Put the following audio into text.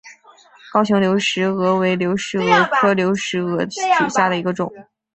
高雄流石蛾为流石蛾科流石蛾属下的一个种。